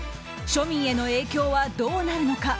庶民への影響はどうなるのか。